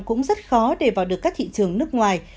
cũng rất khó để vào được các thị trường nước ngoài